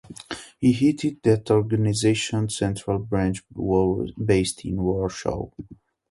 He headed that organization's central branch based in Warsaw.